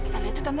tante itu tante